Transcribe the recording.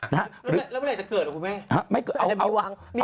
แล้วเวลาจะเกิดหรอคุณเว่ยมีวังหรือ